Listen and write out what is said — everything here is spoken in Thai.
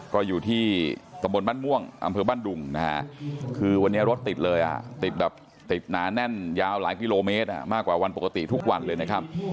ก็อยู่ที่ตำบลบ้านม่วงอำเภอบ้านดุงนะฮะคือวันนี้รถติดเลยอ่ะติดแบบติดหนาแน่นยาวหลายกิโลเมตรมากกว่าวันปกติทุกวันเลยนะครับ